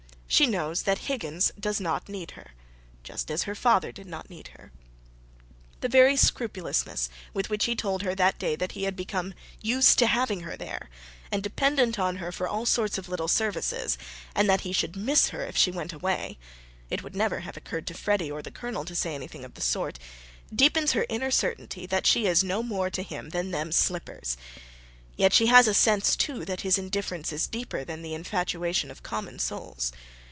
She knows that Higgins does not need her, just as her father did not need her. The very scrupulousness with which he told her that day that he had become used to having her there, and dependent on her for all sorts of little services, and that he should miss her if she went away (it would never have occurred to Freddy or the Colonel to say anything of the sort) deepens her inner certainty that she is "no more to him than them slippers", yet she has a sense, too, that his indifference is deeper than the infatuation of commoner souls.